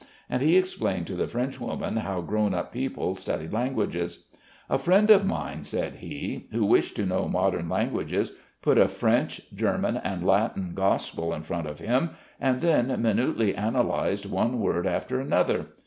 And he explained to the Frenchwoman how grown up people study languages. "A friend of mine," said he, "who wished to know modern languages put a French, German and Latin gospel in front of him and then minutely analysed one word after another.